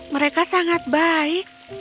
mereka sangat baik